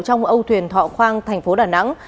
trong âu thuyền thọ khoang tp đà nẵng